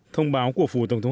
thông báo của phủ tổng thống